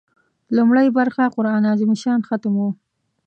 لومړۍ برخه قران عظیم الشان ختم و.